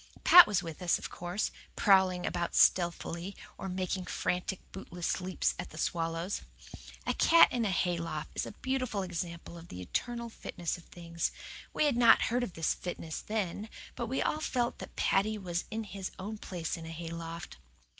Pat was with us, of course, prowling about stealthily, or making frantic, bootless leaps at the swallows. A cat in a hayloft is a beautiful example of the eternal fitness of things. We had not heard of this fitness then, but we all felt that Paddy was in his own place in a hayloft.